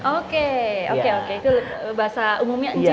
oke oke oke itu bahasa umumnya encim ya